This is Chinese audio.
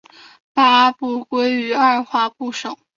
八部归于二划部首。